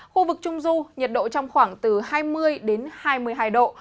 khu vực trung du nhiệt độ trong khoảng từ hai mươi đến hai mươi hai độ